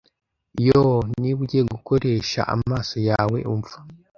"Yoo, niba ugiye gukoresha amaso yawe, umva